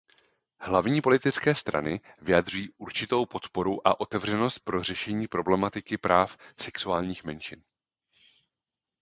Hlavní politické strany vyjadřují určitou podporu a otevřenost pro řešení problematiky práv sexuálních menšin.